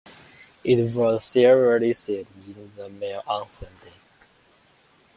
It was serialised in the Mail on Sunday.